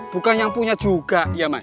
bukan yang punya juga ya mas